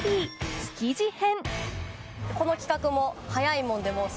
築地編。